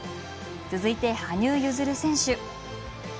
続いて、羽生結弦選手。